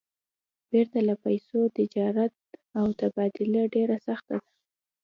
پرته له پیسو، تجارت او تبادله ډېره سخته ده.